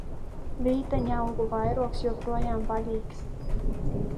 Vīteņaugu vairogs joprojām vaļīgs!